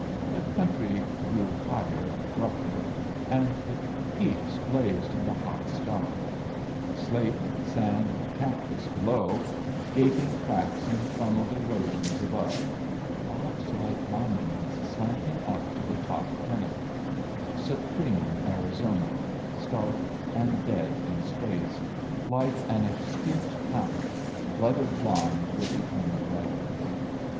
The country grew higher and rougher, and the peaks blazed in the hot sky; slate and sand and cactus below, gaping cracks and funnelled erosions above, rocks like monuments slanting up to the top pinnacles; supreme Arizona, stark and dead in space, like an extinct planet, flooded blind with eternal brightness.